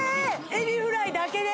エビフライだけで？